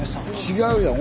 違うやん。